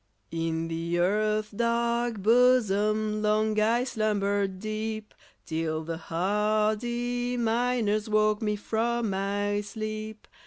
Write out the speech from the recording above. IN the earth's dark bosom Long I slumbered deep, Till the hardy miners Woke me from my sleep.